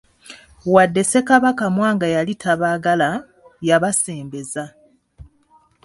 Wadde Ssekabaka Mwanga yali tabaagala, yabasembeza.